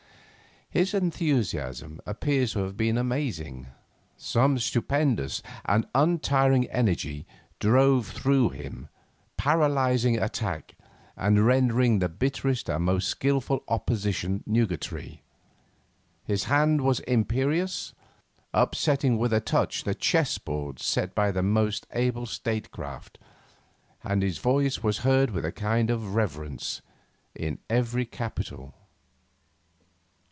His enthusiasm appears to have been amazing. 'Some stupendous and untiring energy drove through him, paralysing attack, and rendering the bitterest and most skilful opposition nugatory. His hand was imperious, upsetting with a touch the chessboards set by the most able statecraft, and his voice was heard with a kind of reverence in every capital.